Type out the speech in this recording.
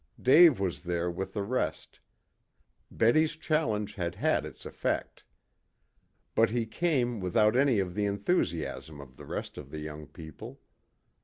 Dave was there with the rest. Betty's challenge had had its effect. But he came without any of the enthusiasm of the rest of the young people.